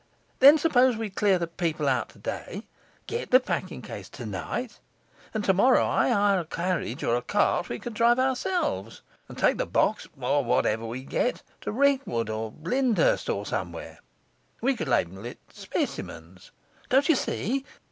Then suppose we clear the people out today, get the packing case tonight, and tomorrow I hire a carriage or a cart that we could drive ourselves and take the box, or whatever we get, to Ringwood or Lyndhurst or somewhere; we could label it "specimens", don't you see?